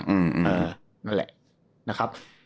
นั่นแหละนะครับ